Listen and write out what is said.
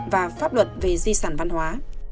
và pháp luật về di sản văn hóa